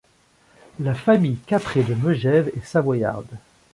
La Famille Capré de Megève est savoyarde.